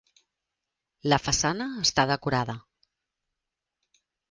La façana està decorada.